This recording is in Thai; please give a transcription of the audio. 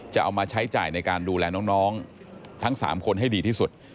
จะเอามาใช้จ่ายในการดูแลน้องทั้ง๓คนให้ดีที่สุด